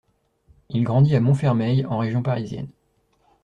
Il grandit à Montfermeil, en région parisienne.